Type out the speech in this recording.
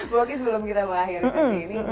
mungkin sebelum kita mengakhiri sesi ini